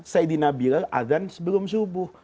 sayyidina bilal adhan sebelum subuh